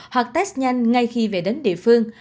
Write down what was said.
hoặc test nhanh ngay khi về đến địa phương